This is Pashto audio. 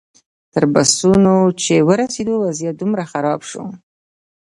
تر بسونو چې ورسېدو وضعیت دومره خراب شو.